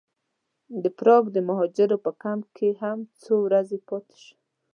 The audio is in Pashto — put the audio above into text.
د پراګ د مهاجرو په کمپ کې هم څو ورځې پاتې شوو.